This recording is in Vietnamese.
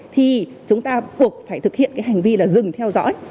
thì chúng ta buộc phải thực hiện cái hành vi là dừng theo dõi